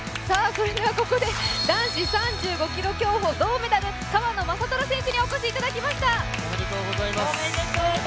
それではここで男子３５ｋｍ競歩銅メダル川野将虎選手にお越しいただきました。